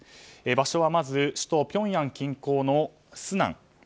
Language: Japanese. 場所はまず首都ピョンヤン近郊のスナン。